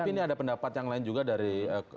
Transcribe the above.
tapi ini ada pendapat yang lain juga dari